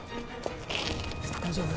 大丈夫？